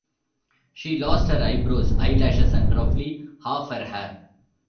She lost her eyebrows, eyelashes and roughly half her hair.